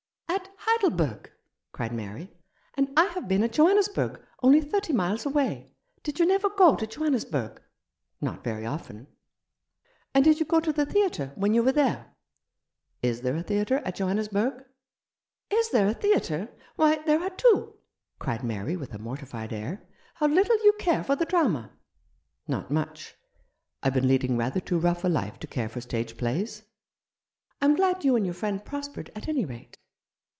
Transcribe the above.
"At Heidelberg?" cried Mary. "And I have been at Johannesburg, only thirty miles away. Did you never go to Johannesburg ?"" Not very often." "And did you go to the theatre when you were there ?"" Is there a theatre at Johannesburg ?"" Is there a theatre ? Why, there are two," cried Mary, with a mortified air. " How little you care for the drama !"" Not much. I've been leading rather too rough a life to care for stage plays." " I'm glad you and your friend prospered, at any rate."